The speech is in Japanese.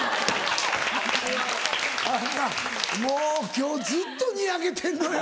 あっもう今日ずっとニヤけてんのよ。